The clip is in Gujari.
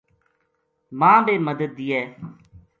ما بے مدد دیئے